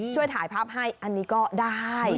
ช่วยถ่ายภาพให้อันนี้ก็ได้